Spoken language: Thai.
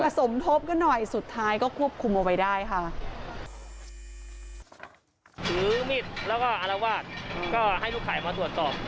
ต้องกระสมทบกันหน่อยสุดท้ายก็ควบคุมเอาไปได้ค่ะ